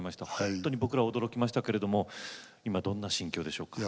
本当に僕ら驚きましたけれども今どんな心境でしょうか。